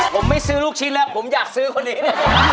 ผมไม่ซื้อลูกชิ้นแล้วผมอยากซื้อคนนี้